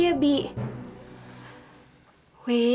gak ada surat ya bi